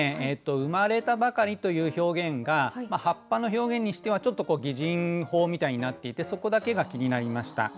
「生まれたばかり」という表現が葉っぱの表現にしてはちょっと擬人法みたいになっていてそこだけが気になりました。